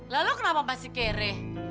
lah lo kenapa masih kereh